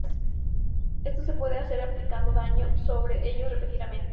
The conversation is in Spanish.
Esto se puede hacer aplicando daño sobre ellos repetidamente.